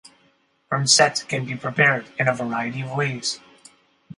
Ensete can be prepared in a variety of ways.